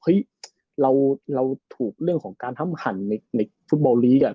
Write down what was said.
เราถูกเรื่องของการทำหั่นในฟุตบอลลีกอ่ะ